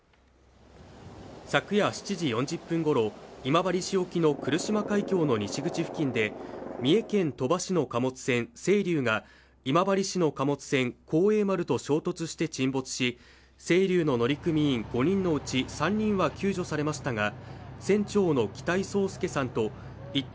昨夜７時４０分ごろ今治市沖の来島海峡の西口付近で三重県鳥羽市の貨物船「せいりゅう」が今治市の貨物船「幸栄丸」と衝突して沈没し「せいりゅう」の乗組員５人のうち３人は救助されましたが船長の北井宗祐さんと一等